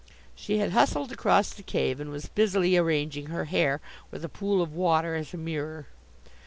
She had hustled across the cave and was busily arranging her hair with a pool of water as a mirror.